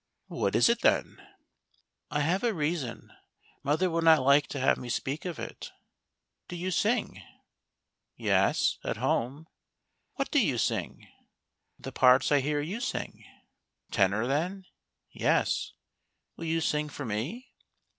" What is it, then }"" I have a reason — mother would not like to have me speak of it." " Do you sing ?"" Yes, at home." " What do you sing? "" The parts I hear you sing." " Tenor, then ?"" Yes." " Will you sing for me